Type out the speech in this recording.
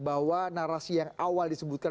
bahwa narasi yang awal disebutkan